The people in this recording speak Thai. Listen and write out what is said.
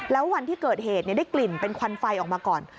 แล้ววันที่เกิดเหตุได้กลิ่นเป็นควันไฟออกมาก่อน